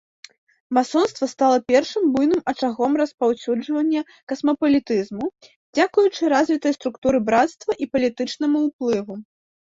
Масонства стала першым буйным ачагом распаўсюджання касмапалітызму дзякуючы развітай структуры брацтва і палітычнаму ўплыву.